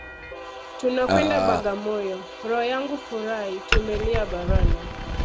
Tunakwenda Bagamoyo roho yangu furahi tumelia barani